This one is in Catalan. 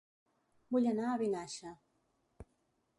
Vull anar a Vinaixa